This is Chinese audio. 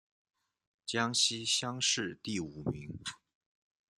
江西乡试第五名。